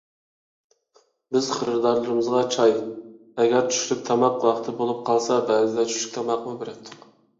بىز خېرىدارلىرىمىزغا چاي، ئەگەر چۈشلۈك تاماق ۋاقتى بولۇپ قالسا، بەزىدە چۈشلۈك تاماقمۇ بېرەتتۇق.